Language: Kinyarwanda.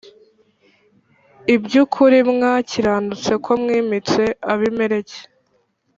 iby ukuri mwakiranutse ko mwimitse Abimeleki